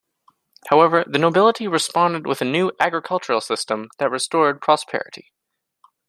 However the nobility responded with a new agricultural system that restored prosperity.